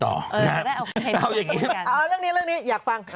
เออเรื่องนี้เรื่องนี้อยากฟัง